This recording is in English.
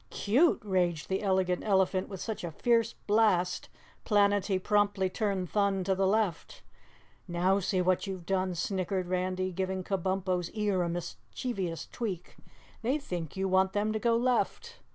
"CUTE!" raged the Elegant Elephant with such a fierce blast Planetty promptly turned Thun to the left. "Now see what you've done," snickered Randy, giving Kabumpo's ear a mischievous tweak. "They think you want them to go left."